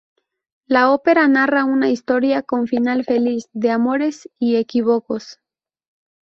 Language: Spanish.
La ópera narra una historia, con final feliz, de amores y equívocos.